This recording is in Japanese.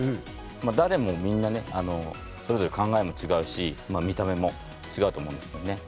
誰もみんなねそれぞれ考えも違うし見た目も違うと思うんですよね。